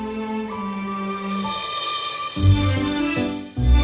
satu kebelakangan dari tindakan baskin di seluruh amerika tersebut menjadi contoh istimewa